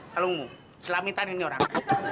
tolongmu selamitan ini orang